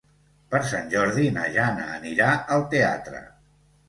Per Sant Jordi na Jana anirà al teatre.